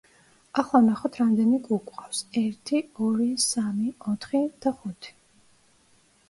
ახლა ვნახოთ რამდენი კუ გვყავს: ერთი, ორი, სამი, ოთხი და ხუთი.